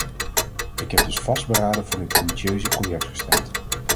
Ik heb dus vastberaden voor dit ambitieuze project gestemd.